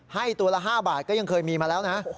ให้ตัวละ๕บาทก็ยังเคยมีมาแล้วนะ